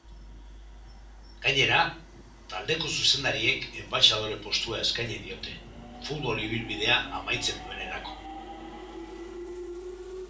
Gainera, taldeko zuzendariek enbaxadore postua eskaini diote, futbol ibilbidea amaitzen duenerako.